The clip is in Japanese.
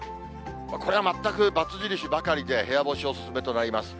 これは全くばつ印ばかりで、部屋干しお勧めとなります。